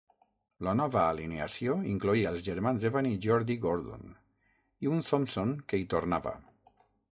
La nova alineació incloïa els germans Evan i Geordie Gordon, i un Thompson que hi tornava.